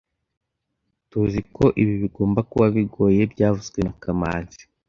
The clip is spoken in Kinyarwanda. Tuziko ibi bigomba kuba bigoye byavuzwe na kamanzi